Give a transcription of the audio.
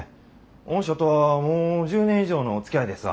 御社とはもう１０年以上のおつきあいですわ。